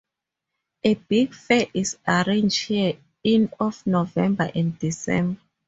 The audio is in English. A big fair is arranged here in of November and December.